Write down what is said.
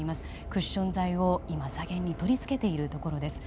クッション材を左舷に取り付けているところです。